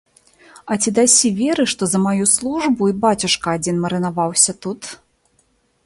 А ці дасі веры, што за маю службу і бацюшка адзін марынаваўся тут?